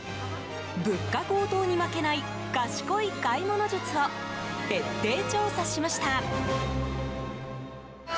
物価高騰に負けない賢い買い物術を徹底調査しました。